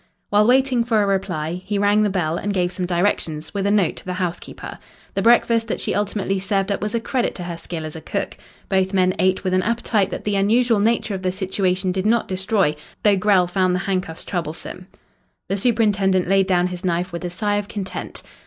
While waiting for a reply, he rang the bell and gave some directions, with a note to the housekeeper. The breakfast that she ultimately served up was a credit to her skill as a cook. Both men ate with an appetite that the unusual nature of the situation did not destroy, though Grell found the handcuffs troublesome. The superintendent laid down his knife with a sigh of content.